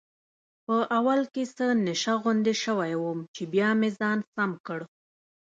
په اول کې څه نشه غوندې شوی وم، چې بیا مې ځان سم کړ.